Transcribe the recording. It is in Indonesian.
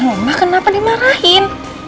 loh emang kenapa dimarahin